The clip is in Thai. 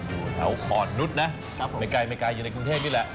อยู่แถวอ่อนนุดนะไม่ไกลอยู่ในกรุงเทศนี่แหละ